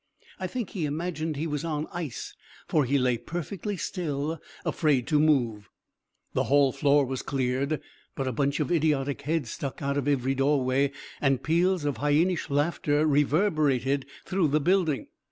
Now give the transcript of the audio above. I think he imagined he was on ice, for he lay perfectly still, afraid to move. The hall floor was cleared, but a bunch of idiotic heads stuck out of every doorway, and peals of hyenish laughter reverberated through the building.